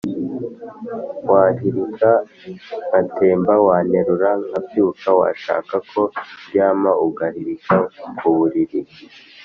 Wahirika ngatembaWanterura nkabyukaWashaka ko ndyamaUgahirika ku buriri